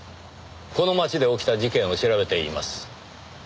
この街で起きた事件を調べています。